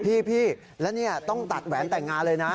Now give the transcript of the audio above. พี่แล้วนี่ต้องตัดแหวนแต่งงานเลยนะ